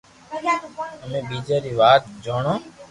امي ٻيجا ري واٽ جونئو